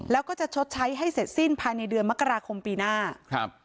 แล้วก็จะชดใช้ให้เสร็จสิ้นภายในเดือนมกราคมปีหน้าครับ